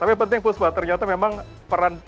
tapi yang penting khuspa ternyata memang peran